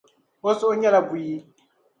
O suhu nyɛla buyi.